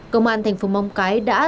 công an thành phố mông cái đã